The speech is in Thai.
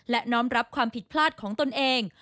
และน้อมรับความผิดพลาดของตนเอง